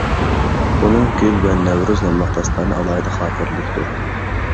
ئۇنىڭ «گۈل ۋە نەۋرۇز» ناملىق داستانى ئالاھىدە خاراكتېرلىكتۇر.